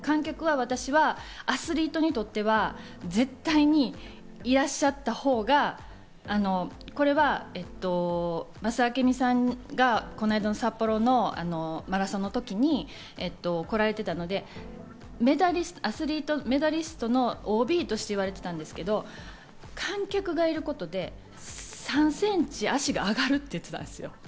観客は私はアスリートにとっては絶対にいらっしゃったほうがこれは、増田明美さんがこの間の札幌のマラソンの時に来られていたので、メダリスト、アスリートのＯＢとして言われていたんですけど観客がいることで３ｃｍ足が上がると言っていたんです。